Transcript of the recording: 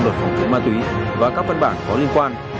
luật phòng chống ma túy và các văn bản có liên quan